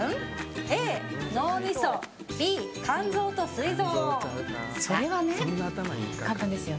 Ａ、脳みそ、Ｂ、肝臓とすい臓。